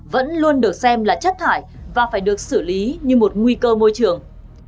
vẫn luôn được xem là chất thải và phải được xử lý như một nguy cơ môi trường